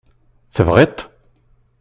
Tebɣiḍ-t?